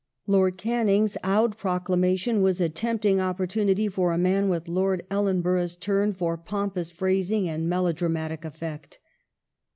Canning Lord Canning's Oudh Proclamation ^ was a tempting opportunity for a man with Lord Ellenborough's turn for pompous phrasing and melodramatic effect.